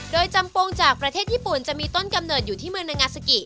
โดยจำปงจากประเทศญี่ปุ่นจะมีต้นกำเนิดอยู่ที่เมืองนางาซากิ